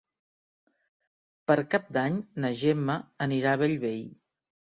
Per Cap d'Any na Gemma anirà a Bellvei.